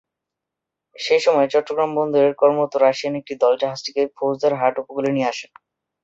সেই সময়ে চট্টগ্রাম বন্দরে কর্মরত রাশিয়ান একটি দল জাহাজটিকে ফৌজদার হাট উপকূলে নিয়ে আসে।